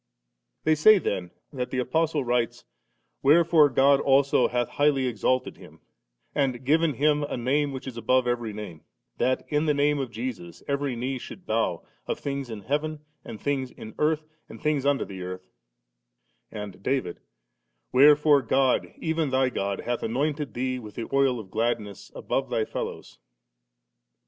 They say then, that the Apostle writes, * Wherefore God also hath highly exalted Him, and given Him a Name which is above every name ; that in the Name of Jesus every knee should bow, of things in heaven and things in earth and things under the earth •:• and David, 'Wherefore God, even Thy God, hath anointed Thee with the oil qf gladness above Thy fellows 3.